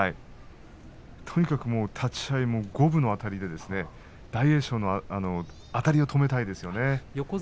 とにかく立ち合い五分のあたりで大栄翔のあたりを止めたいですよね。